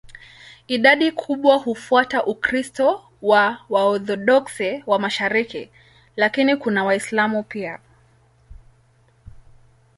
Idadi kubwa hufuata Ukristo wa Waorthodoksi wa mashariki, lakini kuna Waislamu pia.